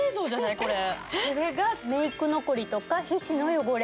これがメイク残りとか皮脂の汚れ。